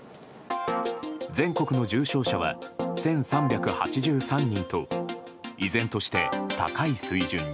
全国の重症者は１３８３人と依然として高い水準に。